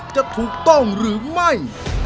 จะถูกต้องหรือไม่